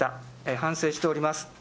反省しております。